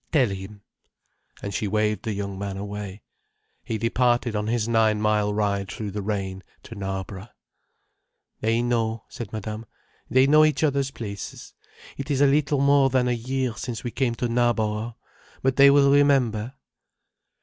Tell him." And she waved the young man away. He departed on his nine mile ride through the rain to Knarborough. "They know," said Madame. "They know each other's places. It is a little more than a year since we came to Knarborough. But they will remember."